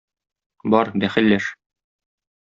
Бар, бәхилләш.